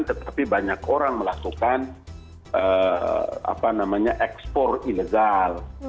tetapi banyak orang melakukan ekspor ilegal